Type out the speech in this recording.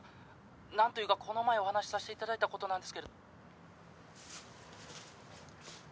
「なんというかこの前お話しさせて頂いた事なんです」